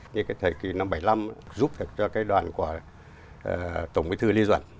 như cái thời kỳ năm một nghìn chín trăm bảy mươi năm giúp cho cái đoàn của tổng bí thư lê duẩn